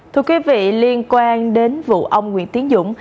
thưa quý vị liên quan đến vụ ông nguyễn tiến dũng